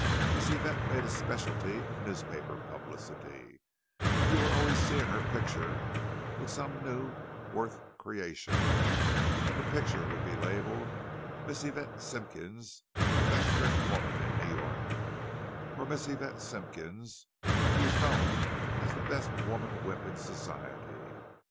Miss Yvette made a speciality of newspaper publicity; you were always seeing her picture, with some new "Worth creation," and the picture would be labelled "Miss Yvette Simpkins, the best dressed woman in New York," or "Miss Yvette Simpkins, who is known as the best woman whip in Society."